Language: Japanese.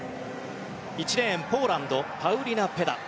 １レーン、ポーランドパウリナ・ペダ。